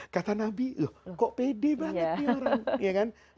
kata nabi loh kok pede banget itu orang